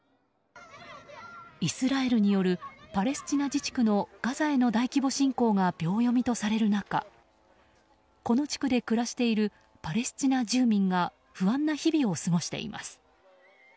イスラエルによるパレスチナ自治区のガザへの大規模侵攻が秒読みとされる中この地区で暮らしているパレスチナ住民が不安な日々を過ごしています。